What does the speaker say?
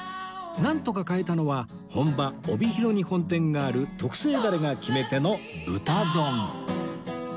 なんとか買えたのは本場帯広に本店がある特製ダレが決め手の豚丼